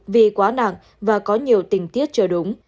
vì quá nặng và có nhiều tình tiết chưa đúng